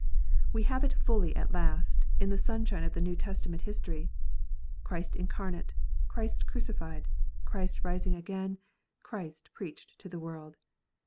We have it fully at last, in the sunshine of New Testament history : Christ incarnate, Christ crucified, Christ rising again, Christ preached to the world.